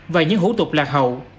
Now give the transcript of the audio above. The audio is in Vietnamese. và những hữu tục lạc hậu